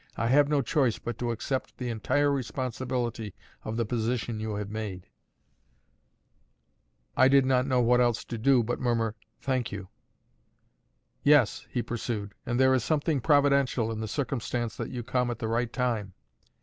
I have no choice but to accept the entire responsibility of the position you have made." I did not know what else to do but murmur "thank you." "Yes," he pursued, "and there is something providential in the circumstance that you come at the right time.